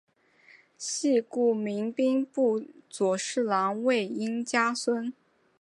系故明兵部左侍郎魏应嘉孙。